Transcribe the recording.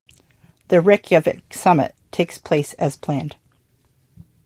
The Reykjavik Summit takes place as planned.